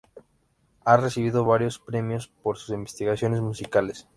Ha recibido varios premios por sus investigaciones musicales.